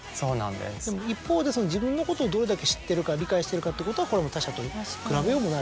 でも一方で自分のことをどれだけ知ってるか理解してるかってことはこれは他者と比べようもない。